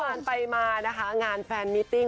ในวันไปมานะคะงานแฟนมิตติง